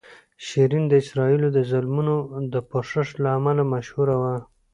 شیرین د اسرائیلو د ظلمونو د پوښښ له امله مشهوره وه.